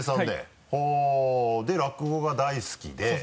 で落語が大好きで。